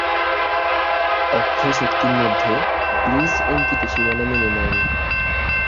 অক্ষশক্তির মধ্যে গ্রীস অঙ্কিত সীমানা মেনে নেয়নি।